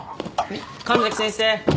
神崎先生？